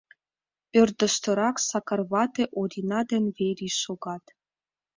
Ӧрдыжтырак Сакар вате Орина ден Верий шогат.